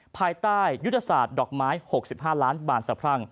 ภายใต้ยุทธศาสตร์ดอกไม้๖๕ล้านบาทสะพรั่ง